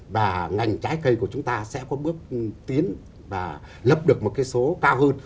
và ngành trái cây của chúng ta sẽ có bước tiến và lấp được một cái số cao hơn